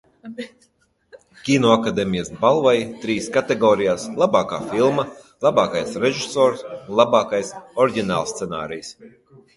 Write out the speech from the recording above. "Kinoakadēmijas balvai trīs kategorijās "Labākā filma", "Labākais režisors" un "Labākais oriģinālscenārijs"."